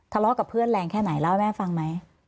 ทะเลาะกับเพื่อนแรงแค่ไหนเล่าให้แม่ฟังไหม